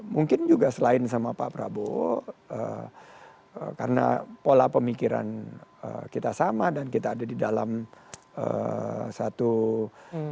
mungkin juga selain sama pak prabowo karena pola pemikiran kita sama dan kita ada di dalam satu ke